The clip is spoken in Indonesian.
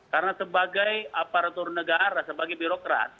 karena sebagai aparatur negara sebagai birokrat